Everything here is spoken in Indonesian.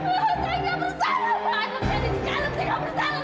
saya nggak bersalah pak saya jadi si kalem saya nggak bersalah